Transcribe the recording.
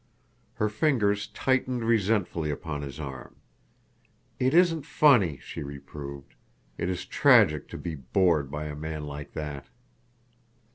Her fingers tightened resentfully upon his arm. "It isn't funny," she reproved. "It is tragic to be bored by a man like that."